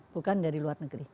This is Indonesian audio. bukan dari luar negeri